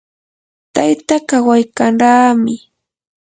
tayta kawaykanraami.